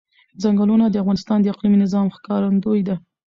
ځنګلونه د افغانستان د اقلیمي نظام ښکارندوی ده.